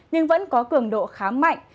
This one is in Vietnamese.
nhưng vẫn có cường độ khá mạnh